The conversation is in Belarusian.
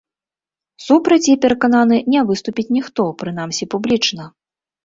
Супраць, я перакананы, не выступіць ніхто, прынамсі, публічна.